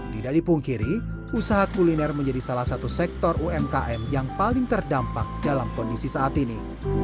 tidak dipungkiri usaha kuliner menjadi salah satu sektor umkm yang paling terdampak dalam kondisi saat ini